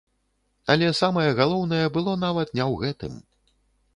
Але самае галоўнае было нават не ў гэтым.